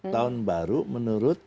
tahun baru menurut saya